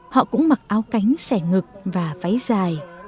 họ cũng mặc áo cánh sẻ ngực và váy dài